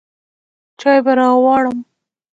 چاى به راغواړم.